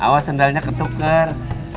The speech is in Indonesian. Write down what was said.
awas sandalnya ketuker